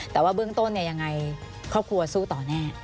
แต่ว่าเบื้องต้นยังไงครอบครัวสู้ต่อแน่